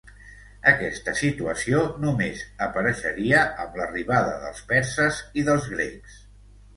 Aquesta situació només apareixeria amb l'arribada dels perses i dels grecs.